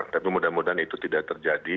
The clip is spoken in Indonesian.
tapi mudah mudahan itu tidak terjadi